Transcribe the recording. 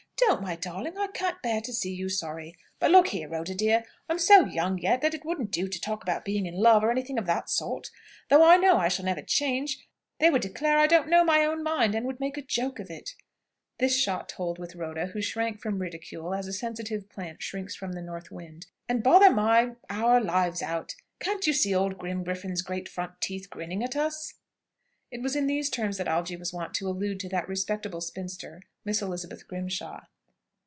Don't, my darling! I can't bear to see you sorry. But, look here, Rhoda, dear; I'm so young yet, that it wouldn't do to talk about being in love, or anything of that sort. Though I know I shall never change, they would declare I didn't know my own mind, and would make a joke of it" this shot told with Rhoda, who shrank from ridicule, as a sensitive plant shrinks from the north wind "and bother my our lives out. Can't you see old Grimgriffin's great front teeth grinning at us?" It was in these terms that Algy was wont to allude to that respectable spinster, Miss Elizabeth Grimshaw.